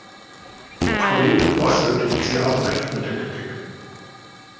Kollege Posselt, Sie haben recht mit der Kritik.